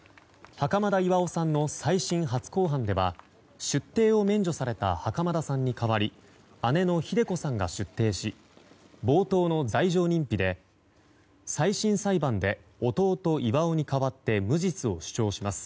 袴田巌さんの再審初公判では出廷を免除された袴田さんに代わり姉のひで子さんが出廷し冒頭の罪状認否で再審裁判で弟・巌に代わって無実を主張します。